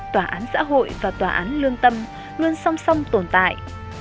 tòa án xã hội và tòa án lương tâm luôn song song tồn tại